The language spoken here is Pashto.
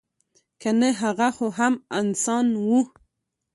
که نه هغه خو هم انسان وه.